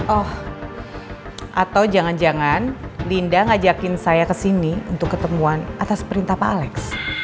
oh atau jangan jangan linda ngajakin saya kesini untuk ketemuan atas perintah pak alex